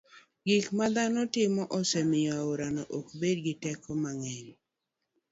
Gik ma dhano timo osemiyo aorano ok bed gi teko mang'eny.